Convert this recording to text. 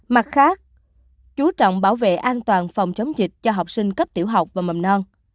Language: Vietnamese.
mặt khác chú trọng bảo vệ an toàn phòng chống dịch cho học sinh cấp tiểu học và mầm non